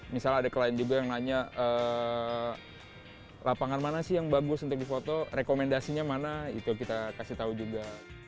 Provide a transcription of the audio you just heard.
misalnya ada klien juga yang nanya lapangan mana sih yang bagus untuk difoto rekomendasinya mana itu kita kasih tahu juga